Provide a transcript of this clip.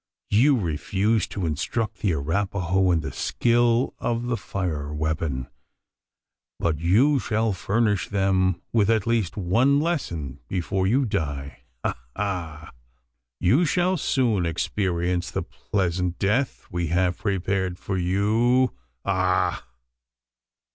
you refused to instruct the Arapaho in the skill of the fire weapon; but you shall furnish them with at least one lesson before you die ha, ha! You shall soon experience the pleasant death we have prepared for you! Ugh!"